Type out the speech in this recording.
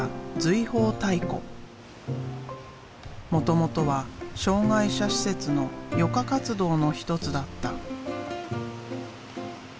もともとは障害者施設の余暇活動の一つだった。